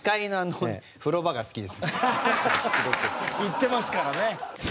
行ってますからね。